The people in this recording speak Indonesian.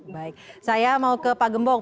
baik saya mau ke pak gembong